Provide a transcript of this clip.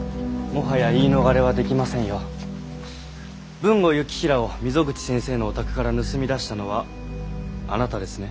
豊後行平を溝口先生のお宅から盗みだしたのはあなたですね？